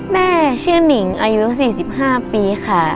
แม่ชื่อนิงอายุ๔๕ปีค่ะ